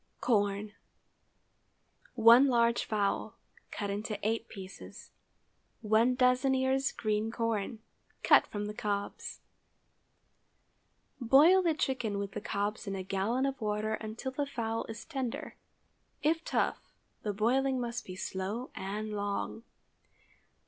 CORN. ✠ 1 large fowl, cut into eight pieces. 1 doz. ears green corn—cut from the cobs. Boil the chicken with the cobs in a gallon of water until the fowl is tender—if tough, the boiling must be slow and long.